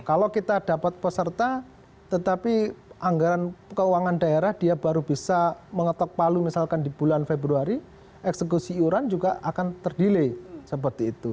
kalau kita dapat peserta tetapi anggaran keuangan daerah dia baru bisa mengetok palu misalkan di bulan februari eksekusi iuran juga akan terdelay seperti itu